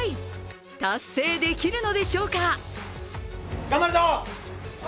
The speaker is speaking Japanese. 達成できるのでしょうか。